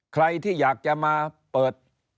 ใครที่อยากจะมาเปิด